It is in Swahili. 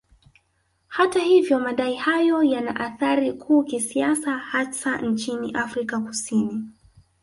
Hata hivyo madai hayo yana athari kuu kisiasa hasa nchini Afrika Kusini